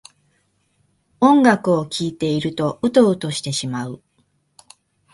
音楽を聴いているとウトウトしてしまう